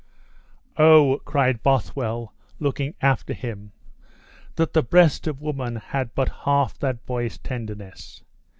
"Oh!" cried Bothwell, looking after him, "that the breast of woman had but half that boy's tenderness!